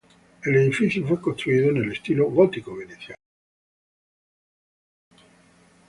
El edificio fue construido en el estilo gótico veneciano.